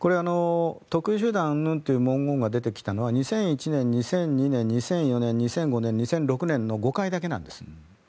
特異集団うんぬんという文言が出てきたのは２００１年、２００２年２００４年、２００５年２００６年の５回だけなんです。